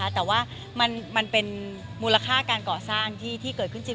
แต่ว่ามันเป็นมูลค่าการก่อสร้างที่เกิดขึ้นจริง